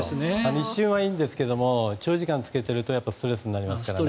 一瞬はいいですが長時間つけているとストレスになりますからね。